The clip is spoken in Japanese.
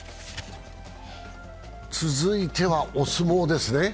続いてはお相撲ですね。